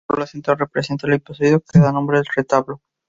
La tabla central representa el episodio que da nombre al retablo.